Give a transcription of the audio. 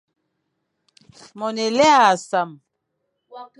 Moan élé âʼa sam.